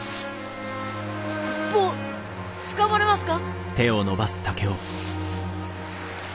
坊つかまれますか？